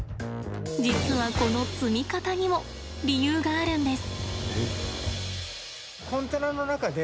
実はこの積み方にも理由があるんです。